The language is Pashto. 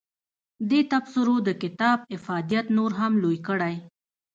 دې تبصرو د کتاب افادیت نور هم لوی کړی.